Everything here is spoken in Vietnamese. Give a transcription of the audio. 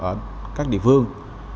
ở các địa phương